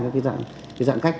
cái giãn cách